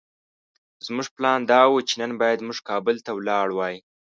زموږ پلان دا وو چې نن بايد موږ کابل ته ولاړ وای.